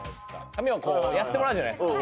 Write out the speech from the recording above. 髪をこうやってもらうじゃないですか。